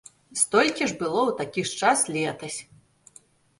Столькі ж было ў такі ж час летась.